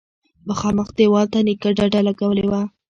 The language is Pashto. مخامخ دېوال ته نيکه ډډه لگولې وه.